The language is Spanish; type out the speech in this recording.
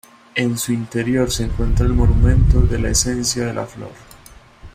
En su interior se encuentra el Monumento de la esencia de la flor.